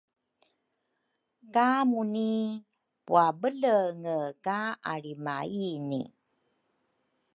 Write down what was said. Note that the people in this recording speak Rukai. ka Muni puabelenge ka alrimaini.